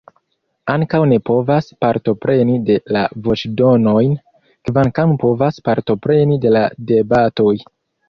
Ankaŭ ne povas partopreni de la voĉdonojn, kvankam povas partopreni de la debatoj.